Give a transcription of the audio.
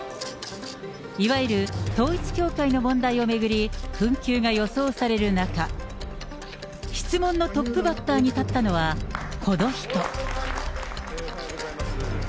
いわゆる統一教会の問題を巡り、紛糾が予想される中、質問のトップバッターに立ったのは、この人。